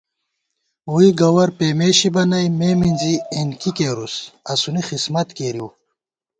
ووئی گوَر پېمېشِبہ نئ، مے مِنزِی اېن کی کېرُوس ، اسُونی خسمت کېرِؤ